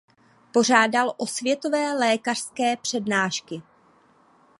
Pořádal osvětové lékařské přednášky.